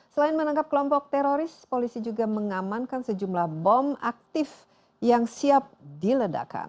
selain menangkap kelompok teroris polisi juga mengamankan sejumlah bom aktif yang siap diledakan